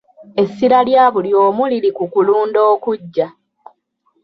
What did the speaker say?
Essira lya buli omu liri ku kulonda okujja.